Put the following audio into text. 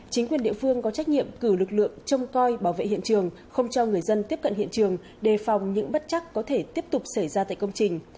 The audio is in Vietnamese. chính quyền địa phương có trách nhiệm cử lực lượng trông coi bảo vệ hiện trường không cho người dân tiếp cận hiện trường đề phòng những bất chắc có thể tiếp tục xảy ra tại công trình